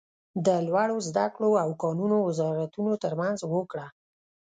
د لوړو ذده کړو او کانونو وزارتونو تر مینځ هوکړه